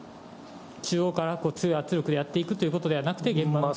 中央から強い圧力でやっていくということではなくて、現場の。